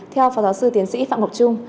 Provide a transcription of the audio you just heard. theo phó giáo sư tiến sĩ phạm ngọc trung